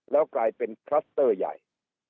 แล้วกลายเป็นคลัสเตอร์ใหญ่